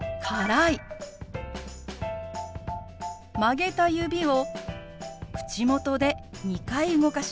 曲げた指を口元で２回動かします。